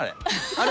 あれ。